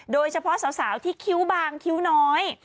โดยเฉพาะสาวที่คิ้วบางคิ้วน้อย